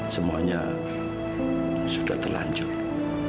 semuanya sudah terlanjur sayang